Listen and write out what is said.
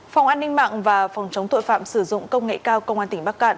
phòng an ninh mạng và phòng chống tội phạm sử dụng công nghệ cao công an tỉnh bắc cạn